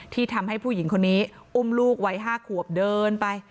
ที่ทำให้ผู้หญิงคนนี้อุ้มลูกวัย๕ขวบเดินไป